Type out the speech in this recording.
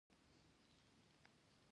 کابل ته مې تګ په پروګرام کې و.